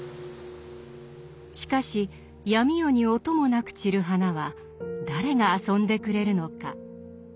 しかし闇夜に音もなく散る花は誰が遊んでくれるのか。